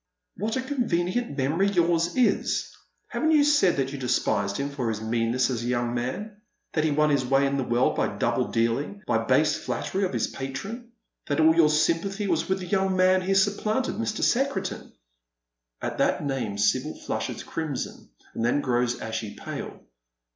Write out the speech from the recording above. " What a convenient memory yom s is ! Haven't you said that you despised him for his meanness as a young man — that he won his way in the world by double dealing, by base flattery of his patron — that all your sympathy was with the young man he supplanted, Mr. Secretan ?" At that name Sibyl flushes crimson, and then grows ashy pale.